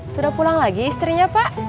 sudah pulang lagi istrinya pak